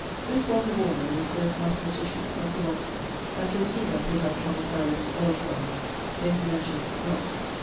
This Walter Warner was both mathematician and philosopher, and 'twas he that putt out Thomas Hariot's Algebra, though he mentions it not.